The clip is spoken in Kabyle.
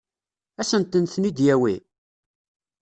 Ad sent-ten-id-yawi?